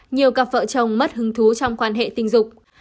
nhiều cặp vợ chồng mất hứng thú trong quan hệ tình dục